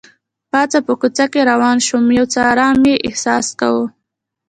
پاس په کوڅه کې روان شوم، یو څه ارام مې احساس کاوه.